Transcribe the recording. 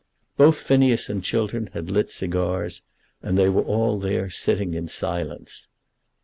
Both Phineas and Chiltern had lit cigars, and they were all there sitting in silence.